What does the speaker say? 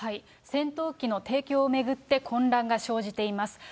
戦闘機の提供を巡って、混乱が生じています。